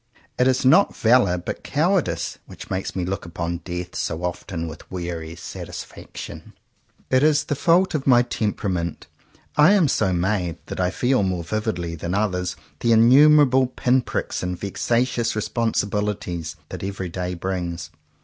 It is not valour but coward ice that makes me look upon death so often with weary satisfaction. 90 JOHN COWPER POWYS It is the fault of my temperament. I am so made that I feel more vividly than others the innumerable pin pricks and vexa tious responsibilities that every day brings.